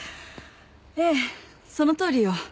ええそのとおりよ。